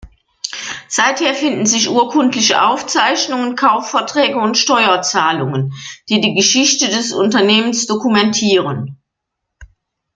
Seither finden sich urkundliche Aufzeichnungen, Kaufverträge und Steuerzahlungen, die die Geschichte des Unternehmens dokumentieren.